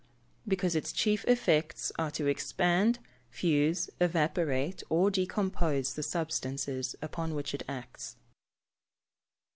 _ Because its chief effects are to expand, fuse, evaporate, or decompose the substances upon which it acts.